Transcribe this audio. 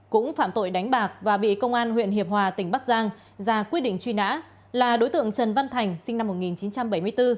cũng phạm tội đánh bạc và bị công an huyện hiệp hòa tỉnh bắc giang ra quyết định truy nã là đối tượng trần văn thành sinh năm một nghìn chín trăm bảy mươi bốn